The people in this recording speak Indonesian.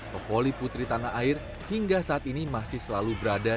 pefoliputri tanah air hingga saat ini masih selalu berada